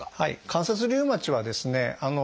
関節リウマチはですね